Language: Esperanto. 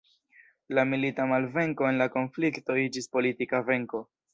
La milita malvenko en la konflikto iĝis politika venko.